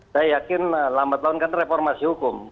saya yakin lambat laun kan reformasi hukum